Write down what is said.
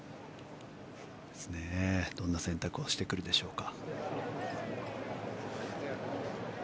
どんな選択をしてくるでしょうか。